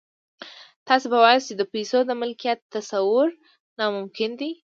تاسې به واياست چې د پيسو د ملکيت تصور ناممکن دی.